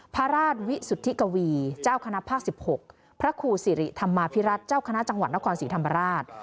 พระราชวิสุทธิกวีเจ้าคณะภาค๑๖พระครูสิริธรรมาภิรัตนเจ้าคณะจังหวัดนครศรีธรรมราช